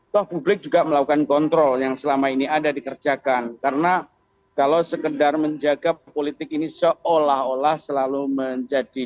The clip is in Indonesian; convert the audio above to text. toh publik juga melakukan kontrol yang selama ini ada dikerjakan karena kalau sekedar menjaga politik ini seolah olah selalu menjadi